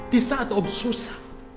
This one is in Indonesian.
di saat om susah